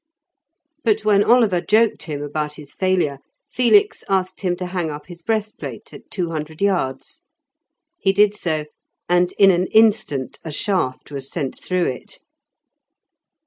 But when Oliver joked him about his failure, Felix asked him to hang up his breastplate at two hundred yards. He did so, and in an instant a shaft was sent through it.